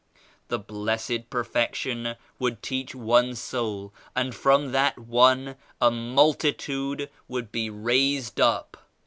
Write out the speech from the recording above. The Blessed Perfec tion would teach one soul and from that one a multitude would be raised up.